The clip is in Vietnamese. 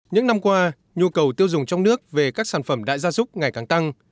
những năm qua nhu cầu tiêu dùng trong nước về các sản phẩm đại gia súc ngày càng tăng